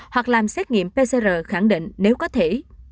hoặc làm xét nghiệm pcr khẳng định nếu có thể